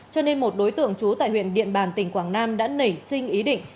cho nên một đối tượng trú tại huyện điện bàn tỉnh quảng nam đã nảy sinh ý định